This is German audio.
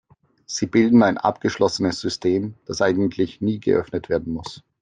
Sie bilden ein abgeschlossenes System, das eigentlich nie geöffnet werden muss.